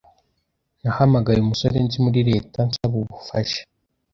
Nahamagaye umusore nzi muri leta nsaba ubufasha.